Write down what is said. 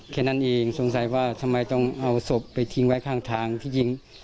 ค่าใช้จ่าย